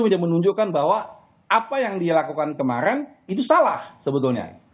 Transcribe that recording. yang menunjukkan bahwa apa yang dia lakukan kemarin itu salah sebetulnya